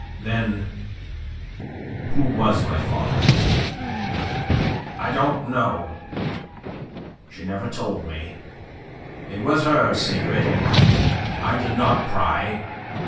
"Then, who was my father?" "I don't know. She never told me. It was her secret, and I did not pry.